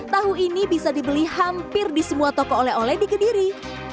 tahu ini bisa dibeli hampir di semua toko oleh oleh di kediri